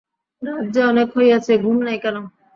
রাত যে অনেক হইয়াছে, ঘুম নাই কেন?